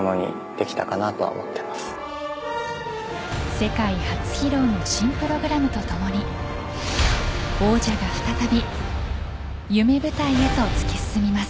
世界初披露の新プログラムとともに王者が再び夢舞台へと突き進みます。